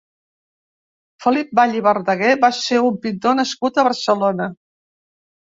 Felip Vall i Verdaguer va ser un pintor nascut a Barcelona.